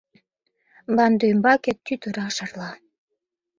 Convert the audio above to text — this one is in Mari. Мландӱмбаке тӱтыра шарла.